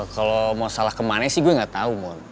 kalau mau salah kemana sih gue nggak tahu